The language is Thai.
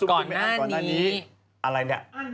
ก่อนอ้านนี้